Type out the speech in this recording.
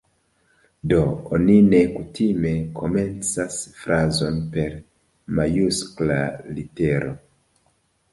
Do, oni ne kutime komencas frazon per majuskla litero.